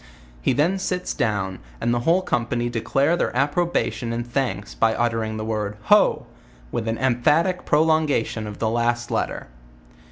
He then sits down, and the whole com pany declare their approbation and thanks by uttering the word ho! with an emphatic prolongation of the last letter.